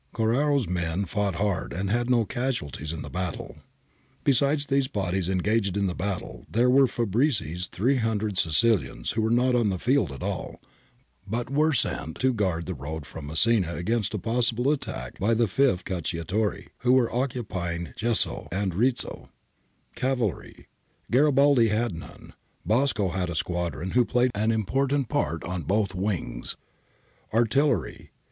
Corrao's men fought hard and had 20 casu alties in the battle {Paol.'s Corrao, 140 141). Besides these bodies, engaged in the battle, there were Fabrizi's 300 Sicilians who were not on the field at all, but were sent to guard the road from Messina against a possible attack by the 5th cacciatori, who were occupying Gesso and Rizzo {Palmieri^ 36 note; Piaggia, 30; Medici, Pasini, 21). Cavalry. — Garibaldi had none. Bosco had a squadron, who played an important part on both wings. Artillery.